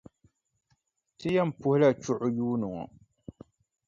Ti yɛn puhila chuɣu yuuni ŋɔ.